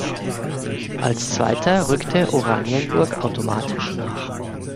Als Zweiter rückte Oranienburg automatisch nach.